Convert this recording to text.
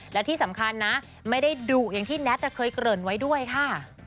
แล้วที่สำคัญว่าไม่ได้ดุอย่างที่แ้ตเตอร์เพิ่มเกริ่นไว้ด้วยค่ะ